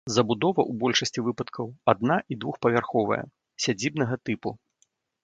Забудова ў большасці выпадкаў адна- і двухпавярховая сядзібнага тыпу.